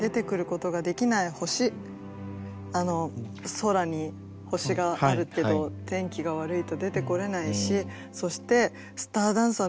空に星があるけど天気が悪いと出てこれないしそしてスターダンサーの意味もある。